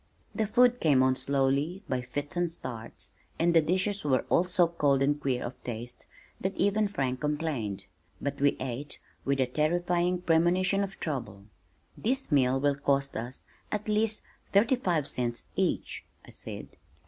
The food came on slowly, by fits and starts, and the dishes were all so cold and queer of taste that even Frank complained. But we ate with a terrifying premonition of trouble. "This meal will cost us at least thirty five cents each!" I said.